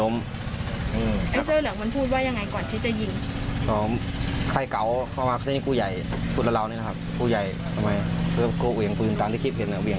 เมาค่ะเมามากเลย